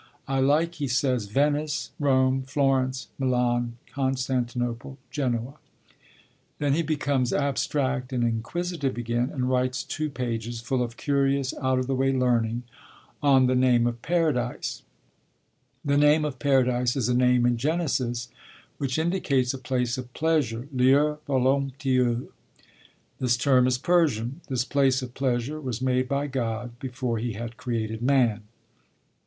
'I like,' he says, 'Venice, Rome, Florence, Milan, Constantinople, Genoa.' Then he becomes abstract and inquisitive again, and writes two pages, full of curious, out of the way learning, on the name of Paradise: The name of Paradise is a name in Genesis which indicates a place of pleasure (lieu voluptueux): this term is Persian. This place of pleasure was made by God before he had created man.